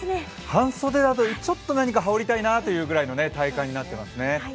半袖だとちょっと何か羽織りたいなぐらいの体感になっていますね。